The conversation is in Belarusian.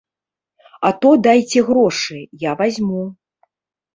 А то дайце грошы, я вазьму!